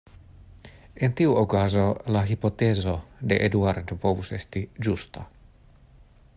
En tiu okazo la hipotezo de Eduardo povus esti ĝusta.